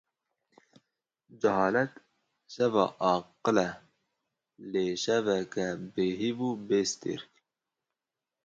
Cehalet şeva aqil e lê şeveke bêhîv û bêstêrk.